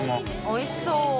おいしそう。